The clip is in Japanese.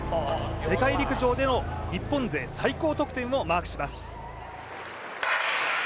世界陸上での日本勢最高得点をマークします。